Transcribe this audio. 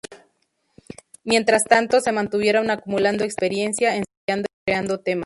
Mientras tanto, se mantuvieron acumulando experiencia, ensayando y creando temas.